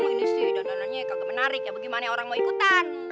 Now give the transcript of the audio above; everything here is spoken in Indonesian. ini sih dandanannya kagak menarik ya bagaimana orang mau ikutan